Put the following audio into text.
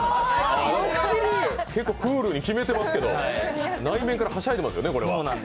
結構クールに決めてますけど、内面からはしゃいでますよね。